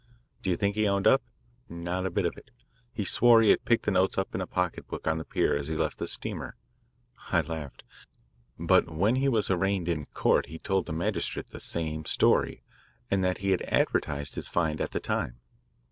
Do you think he owned up? Not a bit of it. He swore he had picked the notes up in a pocketbook on the pier as he left the steamer. I laughed. But when he was arraigned in court he told the magistrate the same story and that he had advertised his find at the time.